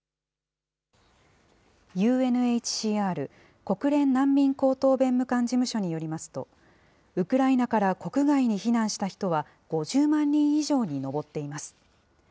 ＵＮＨＣＲ・国連難民高等弁務官事務所によりますと、ウクライナから国外に避難した人は５０万人以上に上っています。